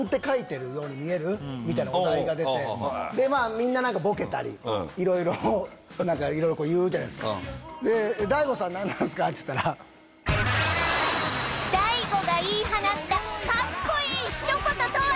みんな何かボケたり色々何か色々こう言うじゃないですか「大悟さん何なんすか？」って言ったら大悟が言い放ったカッコいい一言とは？